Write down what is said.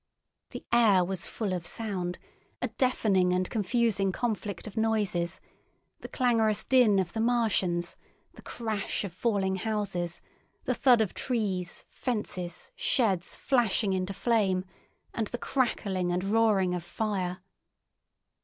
The air was full of sound, a deafening and confusing conflict of noises—the clangorous din of the Martians, the crash of falling houses, the thud of trees, fences, sheds flashing into flame, and the crackling and roaring of fire.